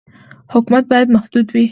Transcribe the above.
حکومت باید محدود وي.